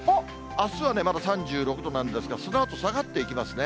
あすはね、まだ３６度なんですが、そのあと下がっていきますね。